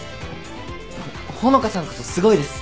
ほっ穂香さんこそすごいです！